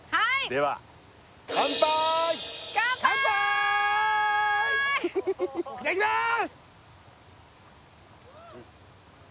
ではいただきまーす！